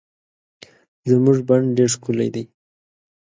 زمونږ بڼ ډير ښکلي دي